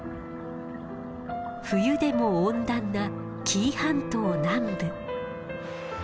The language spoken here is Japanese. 冬でも温暖な紀伊半島南部。